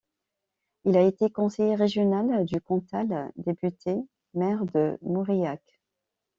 Il a été conseiller régional du Cantal, député, maire de Mauriac.